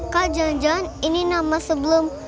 kak jangan jangan ini nama sebelum